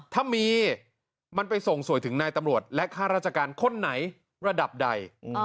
ถ้ามีมันไปส่งสวยถึงนายตำรวจและค่าราชการคนไหนระดับใด